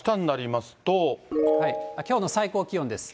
きょうの最高気温です。